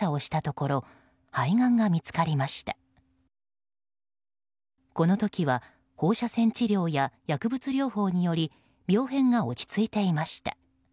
この時は放射線治療や薬物療法により病変が落ち着いていました。